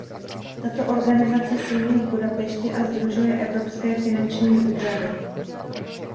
Tato organizace sídlí v Budapešti a sdružuje evropské finanční úřady.